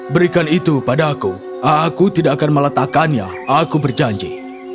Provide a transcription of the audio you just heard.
berikan itu padaku aku tidak akan meletakkannya aku berjanji